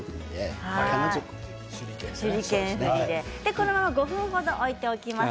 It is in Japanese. このまま５分程置いておきます。